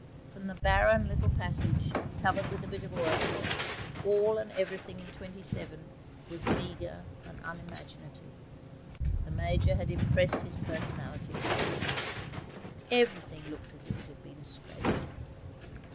From the barren little passage, covered with a bit of oil cloth, all and everything in 27 was meagre and unimaginative. The Major had impressed his personality upon the house. Everything looked as if it had been scraped.